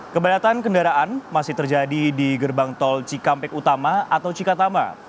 kepadatan kendaraan masih terjadi di gerbang tol cikampek utama atau cikatama